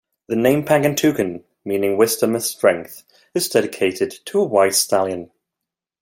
The name "Pangantucan", meaning wisdom and strength, is dedicated to a white stallion.